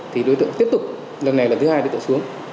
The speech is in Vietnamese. thì đối tượng tiếp tục lần này lần thứ hai đối tượng xuống